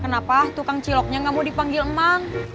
kenapa tukang ciloknya gak mau dipanggil emang